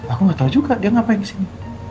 aku gak tau juga dia ngapain disini